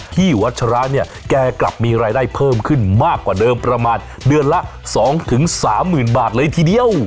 วัชราเนี่ยแกกลับมีรายได้เพิ่มขึ้นมากกว่าเดิมประมาณเดือนละ๒๓๐๐๐บาทเลยทีเดียว